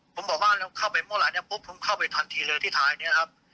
ผมบอกว่าเราเข้าไปเมื่อไหร่เนี่ยปุ๊บผมเข้าไปทันทีเลยที่ท้ายนี้ครับ